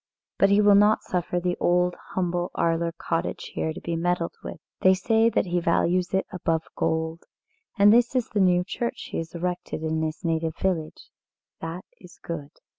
But he will not suffer the old, humble Arler cottage here to be meddled with. They say that he values it above gold. And this is the new church he has erected in his native village that is good."